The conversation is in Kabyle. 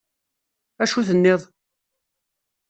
Acu tenniḍ?